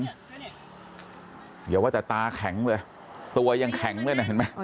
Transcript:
เดี๋ยวว่าจะตาแข็งเลยตัวยังแข็งด้วยนะเห็นไหม